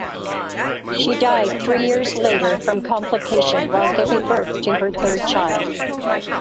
She died three years later from complication while giving birth to her third child.